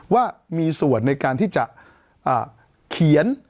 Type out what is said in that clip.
ว่ามีส่วนในการที่จะเขียน